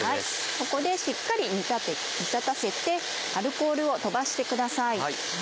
ここでしっかり煮立たせてアルコールを飛ばしてください。